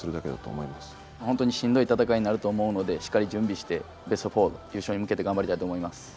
本当にしんどい戦いになると思うのでしっかり準備してベスト４優勝に向けて頑張りたいと思います。